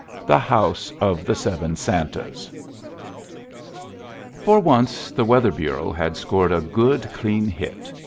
THE HOUSE OF THE SEVEN SANTAS For once the weather bureau had scored a good, clean hit.